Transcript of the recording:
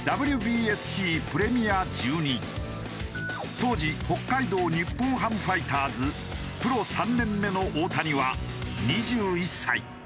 当時北海道日本ハムファイターズプロ３年目の大谷は２１歳。